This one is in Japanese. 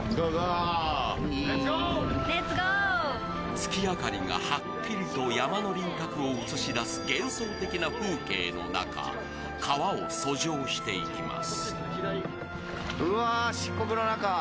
月明かりがはっきりと山の輪郭を映し出す幻想的な風景の中、川を遡上していきます。